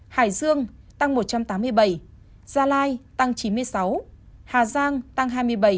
hải dương tăng một trăm tám mươi bảy gia lai tăng chín mươi sáu hà giang tăng hai mươi bảy